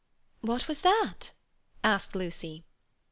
"What was that?" asked Lucy.